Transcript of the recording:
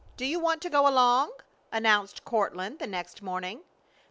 Do you want to go along?" announced Courtland, the next morning.